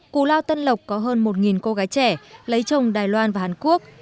cù lao tân lộc có hơn một cô gái trẻ lấy chồng đài loan và hàn quốc